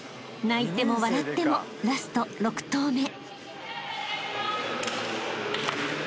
［泣いても笑ってもラスト６投目］